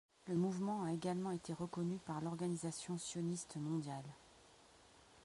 Le mouvement a également été reconnu par l'Organisation sioniste mondiale.